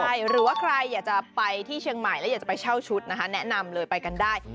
ใช่หรือว่าใครอยากจะไปที่เชียงใหม่แล้วอยากจะไปเช่าชุดนะคะแนะนำเลยไปกันได้